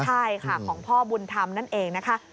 ใช่ค่ะของพ่อบุญธรรมนั่นเองนะคะ